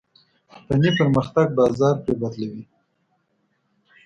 فني پرمختګ بازار پرې بدلوي.